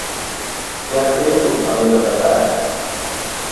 Ja Kristo onindo e bade